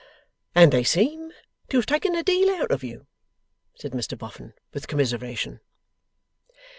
'And they seem to have taken a deal out of you!' said Mr Boffin, with commiseration.